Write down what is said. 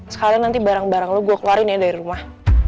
sekalian nanti barang barang lo gue keluarin ya dari rumah